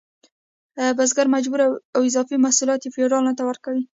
بزګر مجبور و اضافي محصولات فیوډال ته ورکړي.